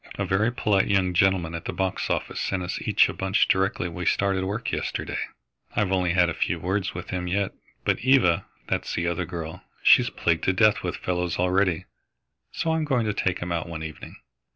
"A very polite young gentleman at the box office sent us each a bunch directly we started work yesterday. I've only had a few words with him yet, but Eva that's the other girl she's plagued to death with fellows already, so I'm going to take him out one evening."